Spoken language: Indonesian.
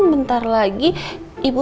bentar lagi ibu